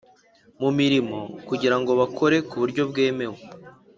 mu mirimo kugira ngo bakore ku buryo bwemewe